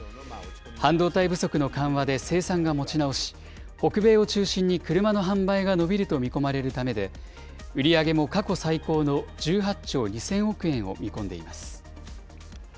半導体不足の緩和で生産が持ち直し、北米を中心に車の販売が伸びると見込まれるためで、売り上げも過去最高の１８兆２０００億円を見込んでいます。